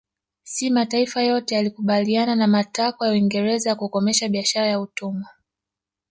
Si mataifa yote yalikubaliana na matakwa ya Uingereza ya kukomesha biashara ya utumwa